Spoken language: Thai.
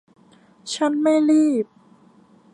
ฉันไม่รีบ